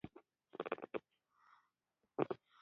هغوی یو شمېر ملګري یې یوې خوا ته کړل.